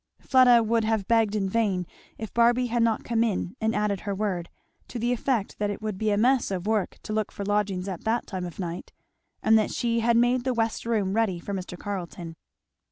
Fleda would have begged in vain, if Barby had not come in and added her word, to the effect that it would be a mess of work to look for lodgings at that time of night, and that she had made the west room ready for Mr. Carleton.